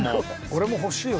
俺も欲しいよ